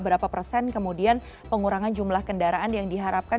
berapa persen kemudian pengurangan jumlah kendaraan yang diharapkan